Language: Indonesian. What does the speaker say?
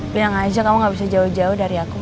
biar ngajak kamu gak bisa jauh jauh dari aku mas